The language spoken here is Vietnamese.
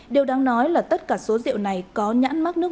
điều đáng nói là tất cả số rượu này có nhãn mắc nước